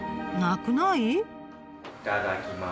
いただきます。